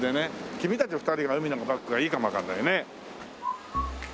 君たち２人が海のバックがいいかもわかんないね。